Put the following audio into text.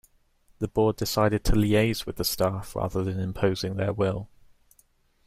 The board decided to liaise with the staff rather than imposing their will.